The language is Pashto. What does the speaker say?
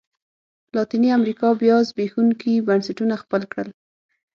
لاتینې امریکا بیا زبېښونکي بنسټونه خپل کړل.